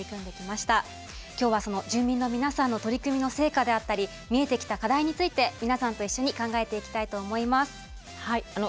今日はその住民の皆さんの取り組みの成果であったり見えてきた課題について皆さんと一緒に考えていきたいと思います。